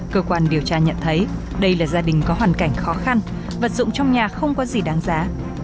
cơ quan điều tra nhận thấy đây là gia đình có hoàn cảnh khó khăn vật dụng trong nhà không có gì đáng giá